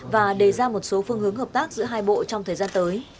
và đề ra một số phương hướng hợp tác giữa hai bộ trong thời gian tới